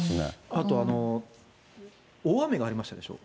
あと、大雨がありましたでしょ。